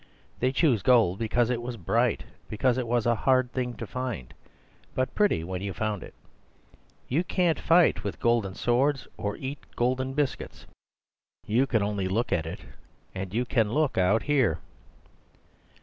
They chose gold because it was bright—because it was a hard thing to find, but pretty when you've found it. You can't fight with golden swords or eat golden biscuits; you can only look at it—and you can look at it out here."